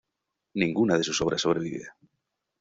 Ninguna de sus obras sobrevive.